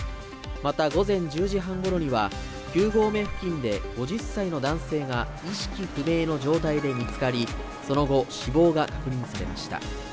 また、午前１０時半ごろには、９合目付近で５０歳の男性が意識不明の状態で見つかり、その後、死亡が確認されました。